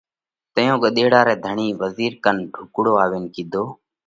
تئيون ڳۮيڙا رئہ ڌڻِي وزِير ڪنَ ڍُوڪڙو آوينَ ڪِيڌو: